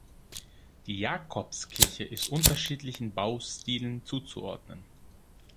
Die Jakobskirche ist unterschiedlichen Baustilen zuzuordnen.